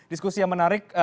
diskusi yang menarik